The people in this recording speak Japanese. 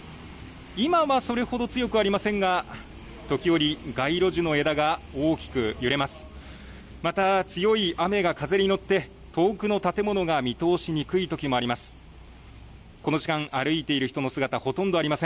今はそれほど強くありませんが、時折、街路樹の枝が大きく揺れます。